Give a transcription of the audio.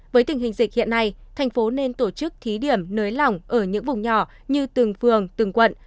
với tình hình dịch hiện nay thành phố nên tổ chức thí điểm nới lỏng ở những vùng nhỏ như từng phường từng quận